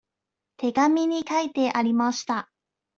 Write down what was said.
手紙に書いてありました。